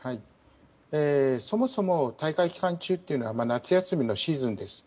そもそも、大会期間中は夏休みのシーズンです。